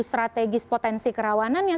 strategis potensi kerawanan